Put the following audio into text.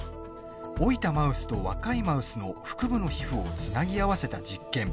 老いたマウスと若いマウスの腹部の皮膚をつなぎ合わせた実験。